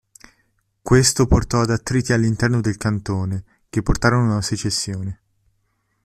Questo portò ad attriti all'interno del cantone, che portarono a una secessione.